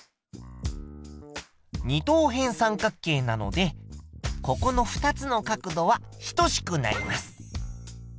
二等辺三角形なのでここの２つの角度は等しくなります。